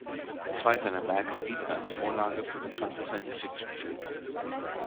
Zwei seiner Werke dienten als Vorlage für bekannte Science-Fiction-Filme.